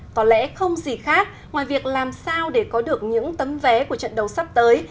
có lẽ không gì khác ngoài việc làm sao để có được những tấm vé của trận đấu sắp tới